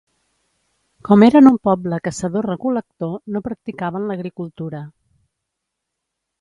Com eren un poble caçador-recol·lector, no practicaven l'agricultura.